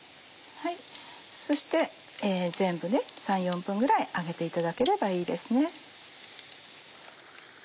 そして全部３４分ぐらい揚げていただければいいですね。